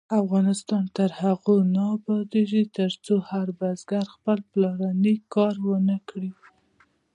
افغانستان تر هغو نه ابادیږي، ترڅو هر بزګر خپل پلاني کار ونکړي.